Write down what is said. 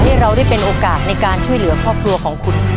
เราได้เป็นโอกาสในการช่วยเหลือครอบครัวของคุณ